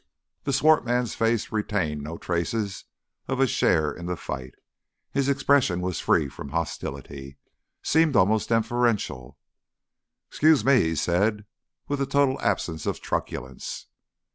The swart man's face retained no traces of his share in the fight; his expression was free from hostility seemed almost deferential. "'Scuse me," he said, with a total absence of truculence.